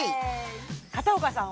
片岡さん